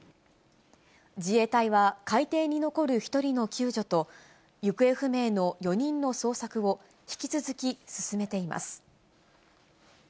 自衛隊は、海底に残る１人の救助と、行方不明の４人の捜索を引き続き進めています。